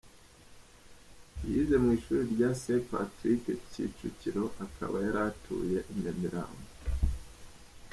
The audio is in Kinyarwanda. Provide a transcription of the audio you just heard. Yize mu ishuri rya Saint Patrick Kicukiro akaba yari atuye i Nyamirambo.